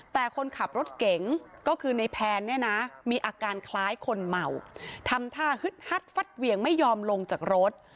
แต่คนขับรถเก๋งก็คือในแพนเนี่ยนะมีอาการคล้ายคนเมาทำท่าฮึดฮัดฟัดเหวี่ยงไม่ยอมลงจากรถ